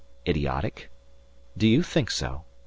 Idiotic? Do you think so?"